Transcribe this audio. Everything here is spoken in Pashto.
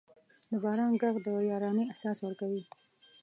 د باران ږغ د یارانې احساس ورکوي.